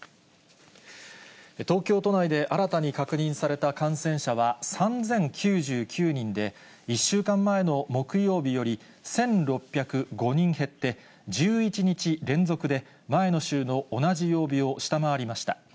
東京都内で新たに確認された感染者は３０９９人で、１週間前の木曜日より１６０５人減って、１１日連続で前の週の同じ曜日を下回りました。